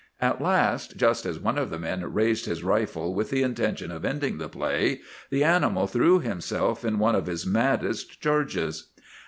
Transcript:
At last, just as one of the men raised his rifle with the intention of ending the play, the animal threw himself in one of his maddest charges.